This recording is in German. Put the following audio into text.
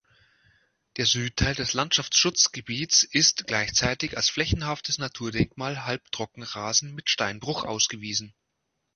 Der Südteil des Landschaftsschutzgebiet ist gleichzeitig als Flächenhaftes Naturdenkmal Halbtrockenrasen mit Steinbruch ausgewiesen.